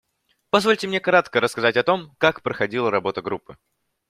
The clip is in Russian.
Позвольте мне кратко рассказать о том, как проходила работа Группы.